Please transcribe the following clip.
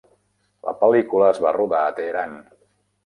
La pel·lícula es va rodar a Teheran.